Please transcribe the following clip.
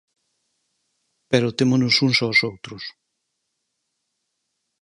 Pero témonos uns aos outros.